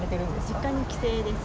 実家に帰省です。